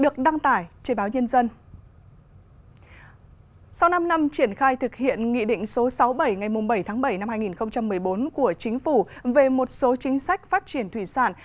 chuyển khai thực hiện nghị định số sáu bảy ngày bảy bảy hai nghìn một mươi bốn của chính phủ về một số chính sách phát triển thủy sản